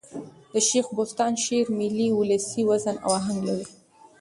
د شېخ بُستان شعر ملي اولسي وزن او آهنګ لري.